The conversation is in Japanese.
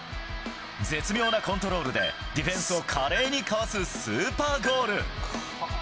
絶妙なコントロールで、ディフェンスを華麗にかわすスーパーゴール。